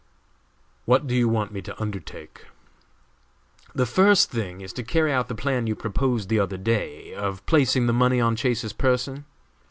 "What do you want me to undertake?" "The first thing is to carry out the plan you proposed the other day of placing the money on Chase's person.